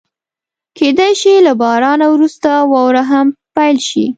کېدای شي له بارانه وروسته واوره هم پيل شي.